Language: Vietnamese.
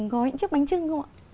gói những chiếc bánh trưng không ạ